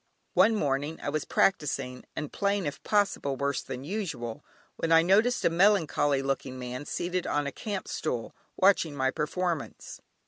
One morning I was practising, and playing, if possible, worse than usual, when I noticed a melancholy looking man, seated on a camp stool, watching my performance.